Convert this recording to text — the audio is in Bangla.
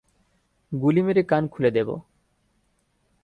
গুলি মেরে কান খুলে দেব!